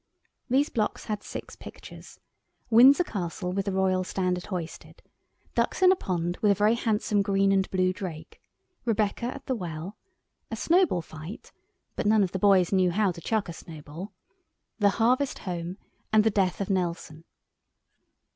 These blocks had six pictures—Windsor Castle with the Royal Standard hoisted; ducks in a pond, with a very handsome green and blue drake; Rebecca at the well; a snowball fight—but none of the boys knew how to chuck a snowball; the Harvest Home; and the Death of Nelson.